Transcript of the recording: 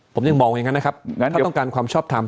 ผมยังมองอย่างนั้นนะครับถ้าต้องการความชอบทำ